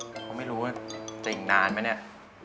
เพราะไม่รู้ว่าจะอีกนานมั้ยเนี่ย